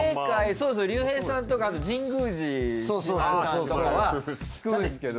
そうそう竜兵さんとか神宮寺しし丸さんとかは聞くんですけど。